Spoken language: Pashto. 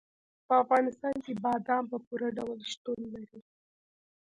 په افغانستان کې بادام په پوره ډول شتون لري.